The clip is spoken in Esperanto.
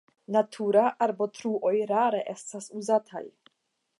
Natura arbotruoj rare estas uzataj.